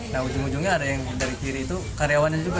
nah ujung ujungnya ada yang dari kiri itu karyawannya juga